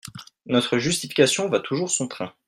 Notre justification va toujours son train.